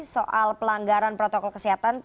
soal pelanggaran protokol kesehatan